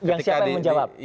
yang siapa yang menjawab